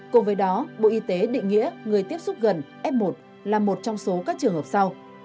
cùng với đó bộ y tế định nghĩa người tiếp xúc gần f một là một trong số các trường hợp sau